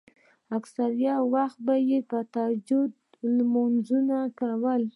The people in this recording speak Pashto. اکثره وخت به يې د تهجد لمونځونه کول.